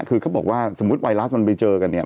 คือเขาบอกว่าสมมุติไวรัสมันไปเจอกันเนี่ย